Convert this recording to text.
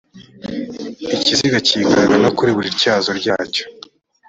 ikiziga cyikaraga no kuri buri tyazo ryacyo